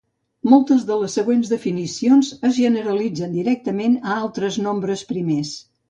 Moltes de les següents definicions es generalitzen directament a altres nombres primers.